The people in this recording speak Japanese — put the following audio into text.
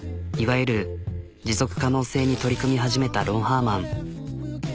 いわゆる持続可能性に取り組み始めたロンハーマン。